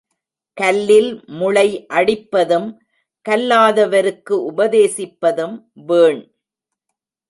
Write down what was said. கல்லில் முளை அடிப்பதும் கல்லாதவருக்கு உபதேசிப்பதும் வீண்.